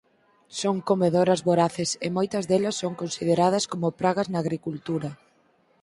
Son comedoras voraces e moitas delas son consideradas como pragas na agricultura.